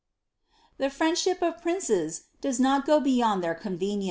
259 ^' The friendBhip of princes does not go beyond their con fwience.'